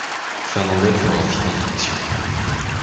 Fernandel fera fi d'interdictions.